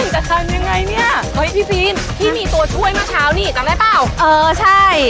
จำได้เปล่า